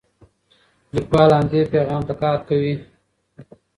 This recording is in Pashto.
لیکوال همدې پیغام ته کار کوي.